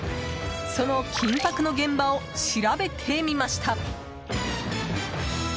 その緊迫の現場を調べてみました。